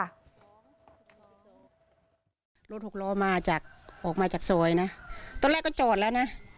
รถหกล้อมาจากออกมาจากซอยนะตอนแรกก็จอดแล้วนะ